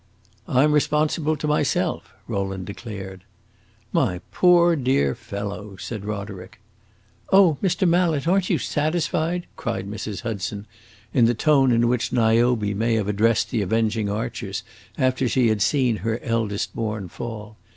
"I 'm responsible to myself," Rowland declared. "My poor, dear fellow!" said Roderick. "Oh, Mr. Mallet, are n't you satisfied?" cried Mrs. Hudson, in the tone in which Niobe may have addressed the avenging archers, after she had seen her eldest born fall.